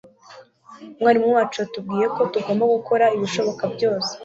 Umwarimu wacu yatubwiye ko tugomba gukora ibishoboka byose